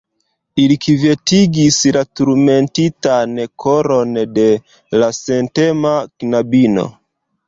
Ili kvietigis la turmentitan koron de la sentema knabino.